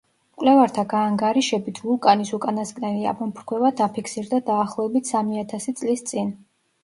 მკვლევართა გაანგარიშებით, ვულკანის უკანასკნელი ამოფრქვევა დაფიქსირდა დაახლოებით სამი ათასი წლის წინ.